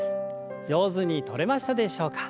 上手にとれましたでしょうか。